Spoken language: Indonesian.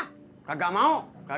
enggak enak gua masuk rumah lu